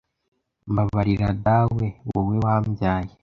Mbabarira dawe wowe wambyaye